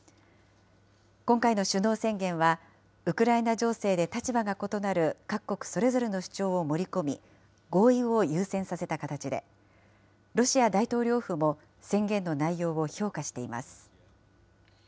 今回の首脳宣言は、ウクライナ情勢で立場が異なる各国それぞれの主張を盛り込み、合意を優先させた形で、ロシア大統領府も宣言の内容を評価しています。